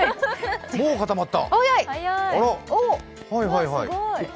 もう固まった。